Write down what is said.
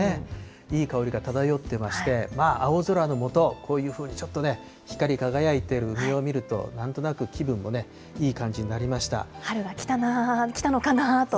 いい香りが漂ってまして、まあ青空の下、こういうふうにちょっとね、光り輝いてる梅を見ると、なんとなく気分もね、いい感じになりま春が来たな、来たのかなと。